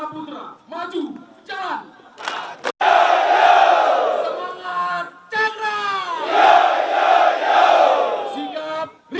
perani patah menyerah